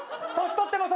「年取っても」